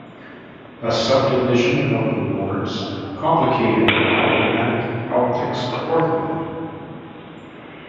A subdivision of the wards complicated aldermanic politics forthwith.